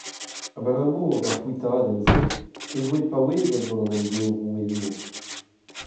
Abalamour d'ar c'hwitadenn-se e voe paouezet gant an emglev roueelour.